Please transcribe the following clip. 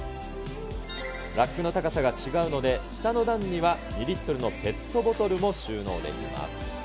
ラックの高さが違うので、下の段には２リットルのペットボトルも収納できます。